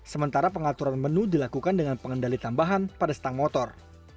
sementara pengaturan menu dilakukan dengan pengendali tambahan pada stang motor